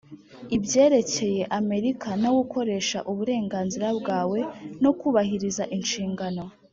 ibyerekeye Amerika no gukoresha uberenganzira bwawe no kubahiriza inshingano